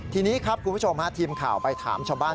ทีนี้ครับคุณผู้ชมฮะทีมข่าวไปถามชาวบ้าน